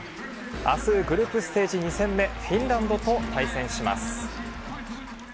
あす、グループステージ２戦目、フィンランドと対戦します。